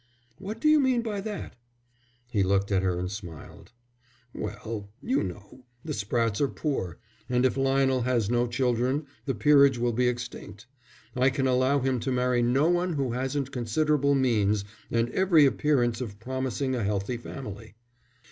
"What do you mean by that?" He looked at her and smiled. "Well, you know, the Sprattes are poor, and if Lionel has no children the peerage will be extinct. I can allow him to marry no one who hasn't considerable means and every appearance of promising a healthy family."